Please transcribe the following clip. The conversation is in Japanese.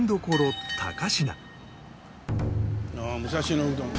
ああ「武蔵野うどん」。